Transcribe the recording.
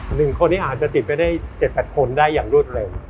หนึ่งคนอาจจะติดไปได้๗๘คนได้อย่างรวดเร็ว